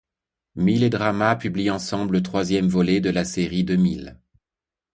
Mill et Drama publient ensemble le troisième volet de la série ' de Mill.